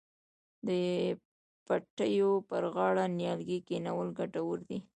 د پټیو پر غاړه نیالګي کینول ګټور دي.